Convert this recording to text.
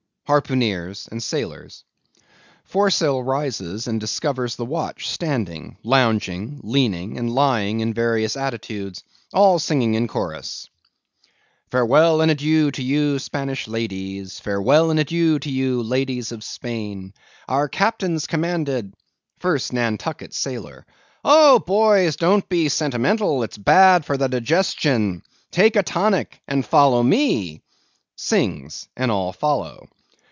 HARPOONEERS AND SAILORS. (_Foresail rises and discovers the watch standing, lounging, leaning, and lying in various attitudes, all singing in chorus_.) Farewell and adieu to you, Spanish ladies! Farewell and adieu to you, ladies of Spain! Our captain's commanded.— 1ST NANTUCKET SAILOR. Oh, boys, don't be sentimental; it's bad for the digestion! Take a tonic, follow me! (_Sings, and all follow.